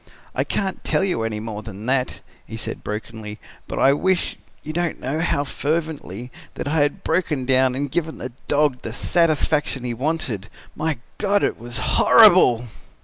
I can't tell you any more about that," he said brokenly, "but I wish, you don't know how fervently, that I had broken down and given the dog the satisfaction he wanted. My God! It was horrible!